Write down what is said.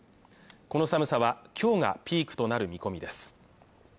この寒さはきょうがピークとなる見込みです